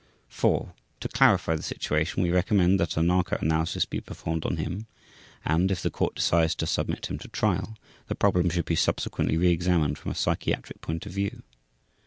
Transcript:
4. To clarify the situation we recommend that a narco analysis be performed on him and, if the Court decides to submit him to trial, the problem should be subsequently re examined from a psychiatric point of view.